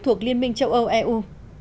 thuộc liên minh châu âu